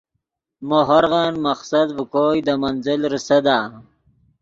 مو ہورغن مقصد ڤے کوئے دے منزل ریسدا